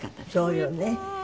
そうよね。